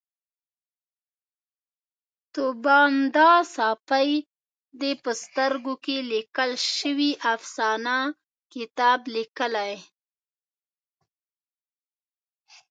طوبا ندا ساپۍ د په سترګو کې لیکل شوې افسانه کتاب لیکلی